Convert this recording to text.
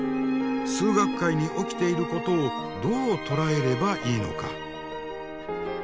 数学界に起きていることをどう捉えればいいのか。